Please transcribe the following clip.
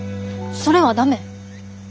それは駄目。